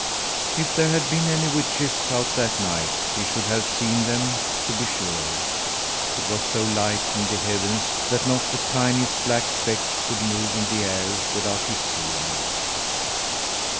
If there had been any witches out that night, he should have seen them, to be sure. It was so light in the heavens that not the tiniest black speck could move in the air without his seeing it.